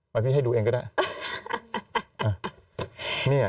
พี่ให้ดูเองก็ได้